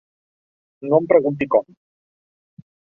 No em pregunti com.